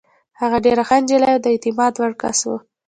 هغه ډېره ښه نجلۍ او د اعتماد وړ کس وه.